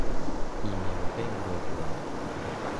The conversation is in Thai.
อีเมลเด้งรัวรัว